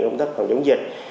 công tác phòng chống dịch